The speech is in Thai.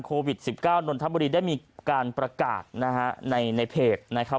โควิด๑๙นนทบุรีได้มีการประกาศนะฮะในเพจนะครับ